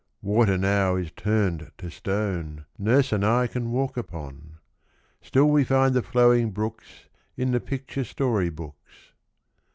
Water now is turned to stone Nurse and I can walk upon; Still we find the flowing brooks In the picture story books.